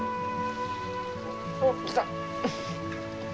おっ来た。